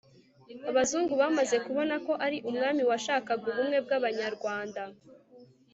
abazungu bamaze kubona ko ari umwami washakaga ubumwe bw'abanyarwanda